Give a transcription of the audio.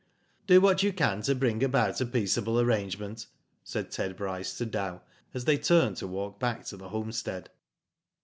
" Do what you can to bring about a peaceable arrangement," said Ted Bryce to Dow as they turned to walk back to the homestead.